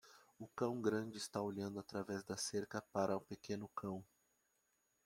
O cão grande está olhando através da cerca para o pequeno cão.